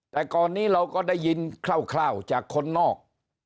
แต่ก่อนนี้เราก็ได้ยินคร่าวจากคนนอก